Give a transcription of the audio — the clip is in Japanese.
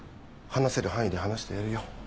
話せる範囲で話してやるよ。